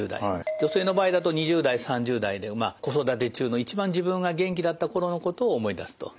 女性の場合だと２０代３０代で子育て中の一番自分が元気だった頃のことを思い出すと。